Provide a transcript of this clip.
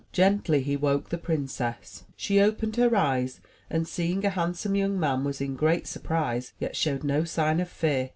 Gently he woke the princess. She opened her eyes, and seeing a ^ handsome young man, was in great surprise, yet showed no sign of fear.